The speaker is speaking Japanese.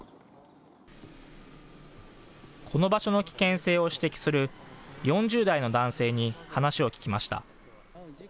この場所の危険性を指摘する４０代の男性に話を聞きました。